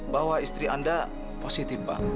bahwa istri anda positif pak